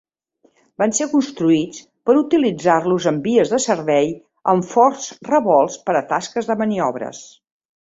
Van ser construïts per utilitzar-los en vies de servei amb forts revolts per a tasques de maniobres.